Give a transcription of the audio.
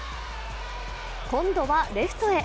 今度はレフトへ。